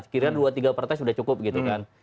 kira dua tiga partai sudah cukup gitu kan